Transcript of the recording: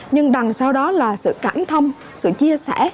nhưng đằng sau đó là sự cảm thông sự chia sẻ